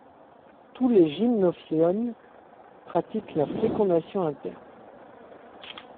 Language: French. Tous les Gymnophiones pratiquent la fécondation interne.